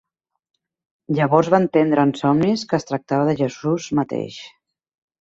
Llavors va entendre en somnis que es tractava de Jesús mateix.